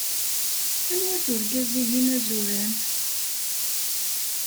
Anwa-t urgaz-ihin azuran?